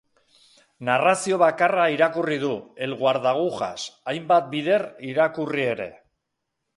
Narrazio bakarra irakurri du, El guardagujas, hainbat bider irakurri ere.